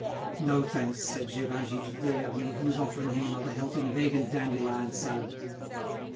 "No, thanks," said Gévingey to Des Hermies, who was offering him another helping of egg and dandelion salad.